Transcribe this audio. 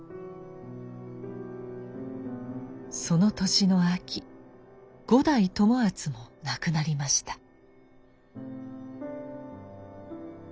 その年の秋五代友厚も亡くなりました。